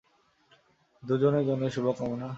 দুজনের জন্যই শুভকামনা।